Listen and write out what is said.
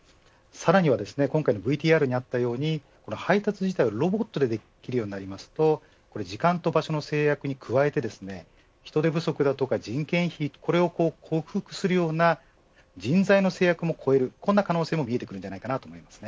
今回のＶＴＲにあったように配達自体をロボットでできるようになると時間と場所の制約に加えて人手不足や人件費これを克服するような人材の制約も越える可能性も出てきます。